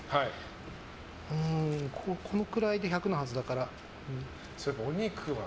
このくらいで１００のはずだから。